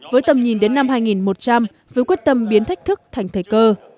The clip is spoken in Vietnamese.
với tầm nhìn đến năm hai nghìn một trăm linh với quyết tâm biến thách thức thành thời cơ